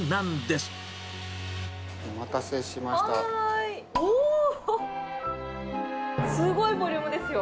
すごいボリュームですよ。